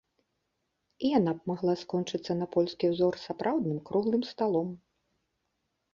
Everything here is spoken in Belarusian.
І яна б магла скончыцца на польскі ўзор сапраўдным круглым сталом.